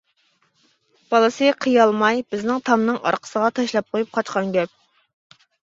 بالىسى قىيالماي، بىزنىڭ تامنىڭ ئارقىسىغا تاشلاپ قويۇپ قاچقان گەپ.